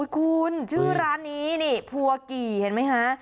คุณชื่อร้านนี้นี่พัวกี่เห็นไหมคะ